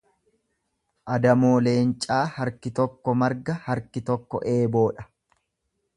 Adamoo leencaa harki tokko marga harki tokko eeboodha.